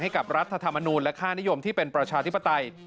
รัฐธรรมนูลและค่านิยมที่เป็นประชาธิปไตย